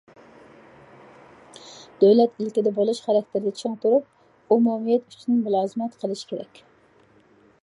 دۆلەت ئىلكىدە بولۇش خاراكتېرىدە چىڭ تۇرۇپ، ئومۇمىيەت ئۈچۈن مۇلازىمەت قىلىش كېرەك.